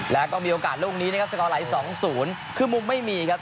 แล้วก็มีโอกาสลูกนี้นะครับสกอร์ไหล๒๐คือมุมไม่มีครับ